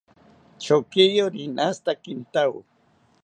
Chokiyo rinashita kintawo